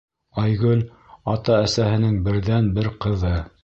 Айгөл ата-әсәһенең берҙән-бер ҡыҙы.